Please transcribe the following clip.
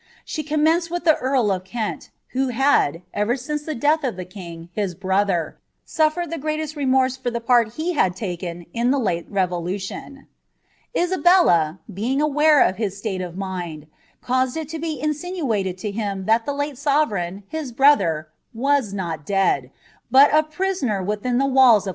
She commenced with the earl of Kent, who had, ever since the death of the king, his brother, suffered the greatest remorse for the part he had taken in the late revolution. Isabella, being aware of his state of mind, caused it to be insinuated to him tliat the late sovereign, his brother, was not dead, but a prisoner * Walvingham. De la Moor.